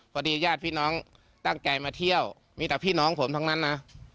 ญาติพี่น้องตั้งใจมาเที่ยวมีแต่พี่น้องผมทั้งนั้นนะ